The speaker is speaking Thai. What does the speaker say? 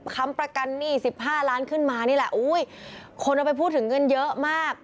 คำประกันหนี้๑๕ล้านขึ้นมานี่แหละอุ้ยคนเอาไปพูดถึงเงินเยอะมาก